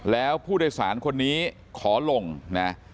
แล้วผู้โดยสารคนนี้ขอลงนะ